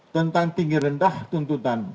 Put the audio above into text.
tentang tinggi rendah tuntutan